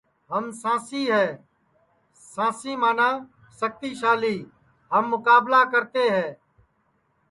ہم سانسی ہے سانسی منا شکتی شالی کہ ہم مکابلہ کرتے ہے